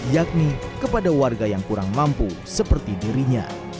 yakni kepada warga yang kurang mampu seperti dirinya